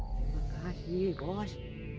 terima kasih bos